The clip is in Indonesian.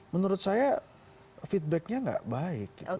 menurut saya feedbacknya nggak baik